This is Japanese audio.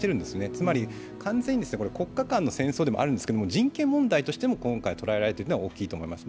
つまり完全に国家間の戦争でもあるですけど人権問題としても今回、捉えられているのが大きいと思います。